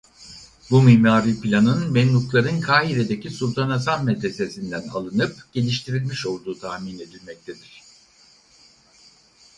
Bu mimari planın Memlukların Kahire'deki Sultan Hasan Medresesinden alınıp geliştirilmiş olduğu tahmin edilmektedir.